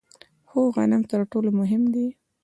خو غنم تر ټولو مهم دي.